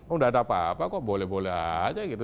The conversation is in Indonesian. oh tidak ada apa apa kok boleh boleh saja gitu